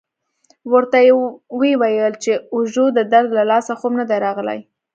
ورته ویې ویل چې د اوږو د درد له لاسه خوب نه دی راغلی.